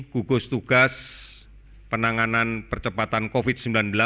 gugus tugas penanganan percepatan covid sembilan belas